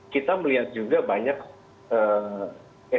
kita melihat juga banyak